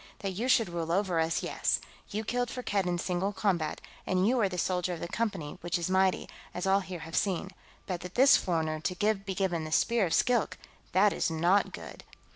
"That you should rule over us, yes. You killed Firkked in single combat, and you are the soldier of the Company, which is mighty, as all here have seen. But that this foreigner be given the Spear of Skilk, that is not good!"